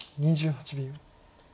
２８秒。